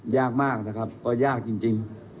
ยากมากนะครับก็ยากจริง